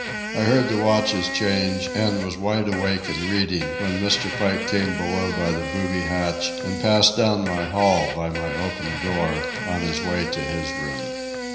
I heard the watches change, and was wide awake and reading when Mr. Pike came below by the booby hatch and passed down my hall by my open door, on his way to his room.